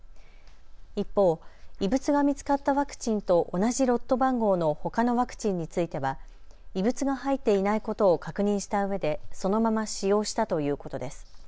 一方、異物が見つかったワクチンと同じロット番号のほかのワクチンについては異物が入っていないことを確認したうえで、そのまま使用したということです。